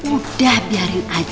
udah biarin aja